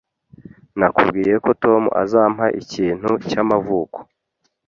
Nakubwiye ko Tom azampa ikintu cyamavuko.